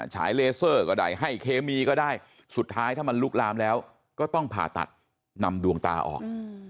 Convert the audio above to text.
ฉายเลเซอร์ก็ได้ให้เคมีก็ได้สุดท้ายถ้ามันลุกลามแล้วก็ต้องผ่าตัดนำดวงตาออก